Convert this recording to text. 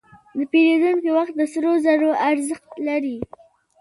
د پیرودونکي وخت د سرو زرو ارزښت لري.